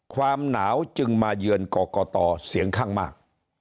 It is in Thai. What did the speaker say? ความหนาวจึงมาเยือนกรกตเสียงข้างมาก